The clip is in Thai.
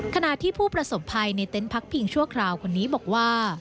ขณะที่ผู้ประสบภัยในเต็นต์พักพิงชั่วคราวคนนี้บอกว่า